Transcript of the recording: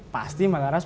pasti mbak laras